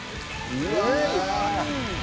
うわ！